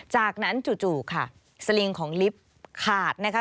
จากนั้นจู่ค่ะสลิงของลิฟต์ขาดนะคะ